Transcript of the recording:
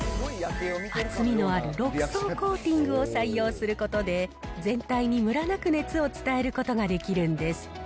厚みのある６層コーティングを採用することで、全体にむらなく熱を伝えることができるんです。